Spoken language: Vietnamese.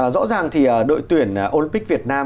rõ ràng thì đội tuyển olympic việt nam